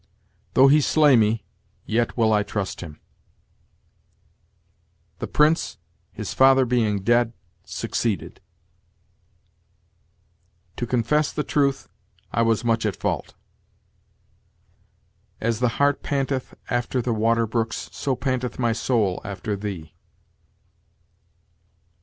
"Though he slay me, yet will I trust him." "The prince, his father being dead, succeeded." "To confess the truth, I was much at fault." "As the heart panteth after the water brooks, so panteth my soul after thee."